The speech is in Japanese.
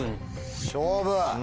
勝負！